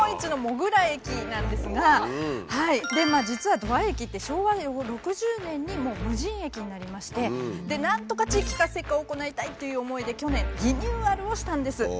実は土合駅って昭和６０年にもう無人駅になりましてなんとか地域活性化を行いたいという思いで去年リニューアルをしたんです。